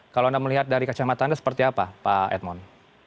kalau anda melihat dari kacamata anda seperti apa pak edmond